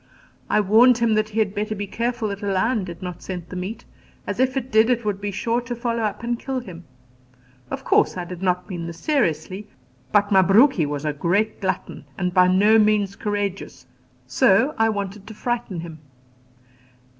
I warned him that he had better be careful that a lion did not scent the meat, as if it did it would be sure to follow up and kill him. Of course I did not mean this seriously; but Mabruki was a great glutton, and by no means courageous, so I wanted to frighten him.